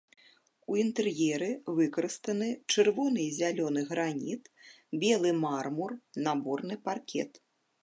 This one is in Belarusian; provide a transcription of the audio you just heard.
У інтэр'еры выкарыстаны чырвоны і зялёны граніт, белы мармур, наборны паркет.